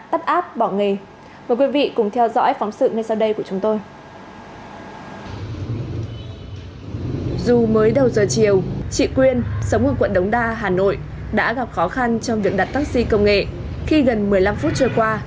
tiếp theo mời quý vị cùng điểm qua một số tin tức kinh tế nổi bật trong hai mươi bốn giờ qua